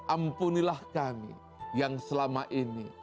ampunilah kami yang selama ini